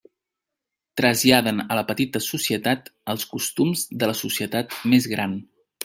Traslladen a la petita societat els costums de la societat més gran.